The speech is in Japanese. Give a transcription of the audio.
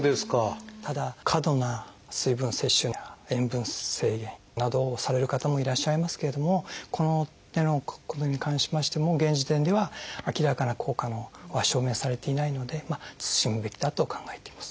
ただ過度な水分摂取や塩分制限などをされる方もいらっしゃいますけれどもこの点のことに関しましても現時点では明らかな効果は証明されていないので慎むべきだと考えています。